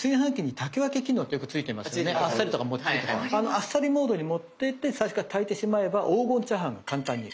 あっさりモードに持ってって最初から炊いてしまえば黄金チャーハンが簡単に。